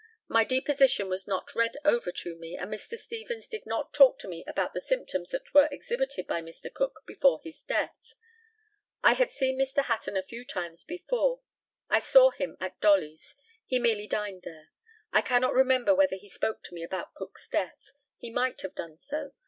My deposition was not read over to me, and Mr. Stevens did not talk to me about the symptoms that were exhibited by Mr. Cook before his death. I had seen Mr. Hatton a few times before. I once saw him at Dolly's. He merely dined there. I cannot remember whether he spoke to me about Cook's death. He might have done so.